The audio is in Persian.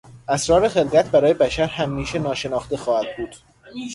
اسرار خلقت برای بشر همیشه ناشناخته خواهد بود.